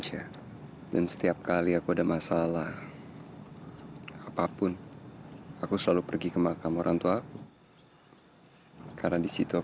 jadi dengan mudah kita bisa mendapatkan tanah itu